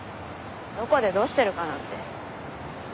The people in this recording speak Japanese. どこでどうしてるかなんて。